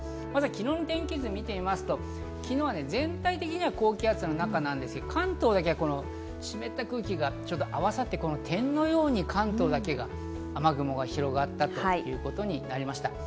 昨日の天気図を見てみますと昨日は全体的には高気圧の中なんですけど、関東だけ湿った空気が合わさって点のように関東だけが雨雲が広がったということになりました。